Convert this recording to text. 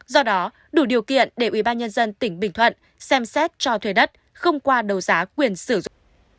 do đó đủ điều kiện để ubnd tỉnh bình thuận xem xét cho thuê đất không qua đấu giá quyền sử dụng